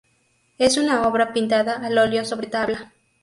Es una obra pintada al óleo sobre tabla.